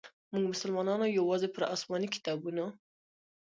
موږ مسلمانانو یوازي پر اسماني کتابونو.